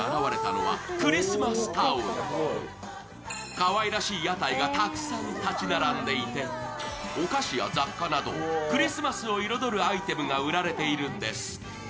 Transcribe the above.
かわいらしい屋台がたくさん建ち並んでいてお菓子や雑貨などクリスマスを彩るアイテムが売られているんです。